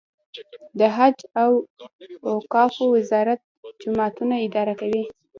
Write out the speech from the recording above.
د حج او اوقافو وزارت جوماتونه اداره کوي